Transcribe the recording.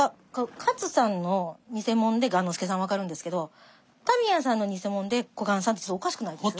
勝さんの偽者で雁之助さん分かるんですけど田宮さんの偽者で小雁さんっておかしくないです？